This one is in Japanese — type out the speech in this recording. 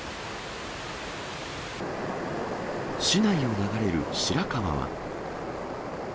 市内を流れる白川は。